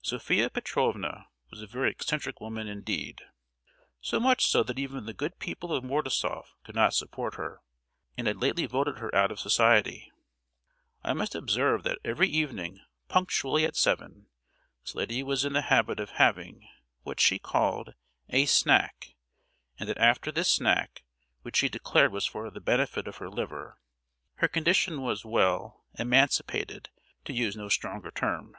Sophia Petrovna was a very eccentric woman indeed—so much so that even the good people of Mordasoff could not support her, and had lately voted her out of society. I must observe that every evening, punctually at seven, this lady was in the habit of having, what she called, "a snack," and that after this snack, which she declared was for the benefit of her liver, her condition was well emancipated, to use no stronger term.